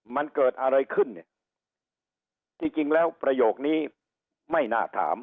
มันเกิดอะไรขึ้นเนี่ยที่จริงแล้วประโยคนี้ไม่น่าถาม